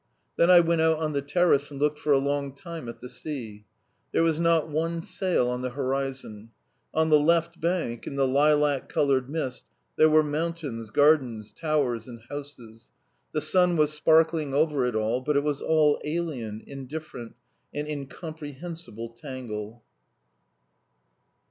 Then I went out on the terrace and looked for a long time at the sea. There was not one sail on the horizon. On the left bank, in the lilac coloured mist, there were mountains, gardens, towers, and houses, the sun was sparkling over it all, but it was all alien, indifferent, an incomprehensible tangle.